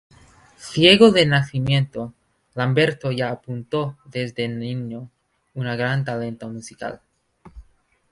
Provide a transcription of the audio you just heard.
Ciego de nacimiento, Lamberto ya apuntó desde niño una gran talento musical.